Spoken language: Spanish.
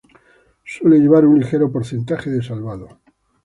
Suele llevar un ligero porcentaje de salvado.